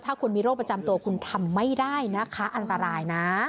ถ้าคุณมีโรคประจำตัวคุณทำไม่ได้นะคะอันตรายนะ